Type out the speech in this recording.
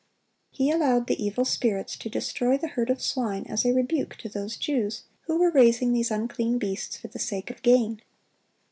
He allowed the evil spirits to destroy the herd of swine as a rebuke to those Jews who were raising these unclean beasts for the sake of gain.